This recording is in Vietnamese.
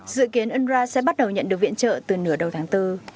dự kiến unrwa sẽ bắt đầu nhận được viện trợ từ nửa đầu tháng bốn